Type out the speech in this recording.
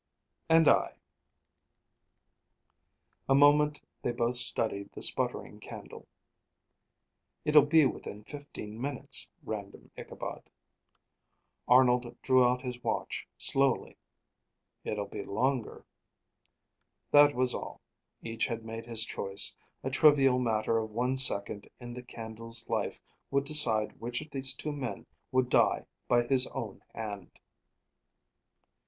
"And I." A moment they both studied the sputtering candle. "It'll be within fifteen minutes," randomed Ichabod. Arnold drew out his watch slowly. "It'll be longer." That was all. Each had made his choice; a trivial matter of one second in the candle's life would decide which of these two men would die by his own hand.